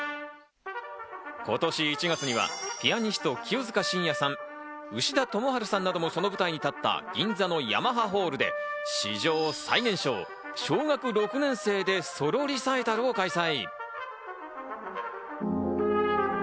今年１月にはピアニスト・清塚信也さん、牛田智大さんなども、その舞台に立った銀座のヤマハホールで史上最年少、小学６年生でソロリサイタルを開催。